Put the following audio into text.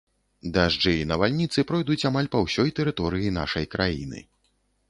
Дажджы і навальніцы пройдуць амаль па ўсёй тэрыторыі нашай краіны.